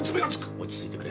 落ち着いてくれ。